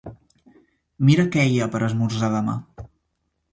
Mira què hi ha per esmorzar demà